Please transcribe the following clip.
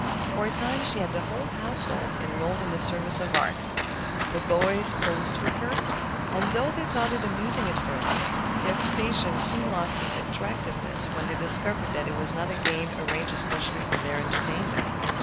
For a time she had the whole household enrolled in the service of art. The boys posed for her. They thought it amusing at first, but the occupation soon lost its attractiveness when they discovered that it was not a game arranged especially for their entertainment.